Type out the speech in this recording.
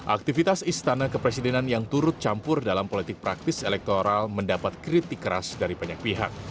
aktivitas istana kepresidenan yang turut campur dalam politik praktis elektoral mendapat kritik keras dari banyak pihak